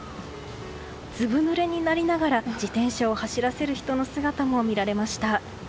ずぶぬれになりながら自転車を走らせる人の姿も見られました。